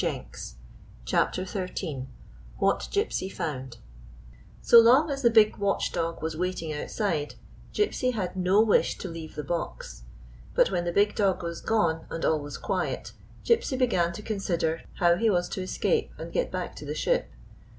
156 CHAPTER XIII WHAT GYPSY FOUND S O long as the big watchdog was waiting outside, Gypsy had no wish to leave the box. But when the big dog was gone, and all was quiet, Gypsy began to con sider how he was to escape and get back to the ship.